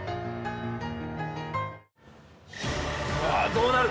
どうなる？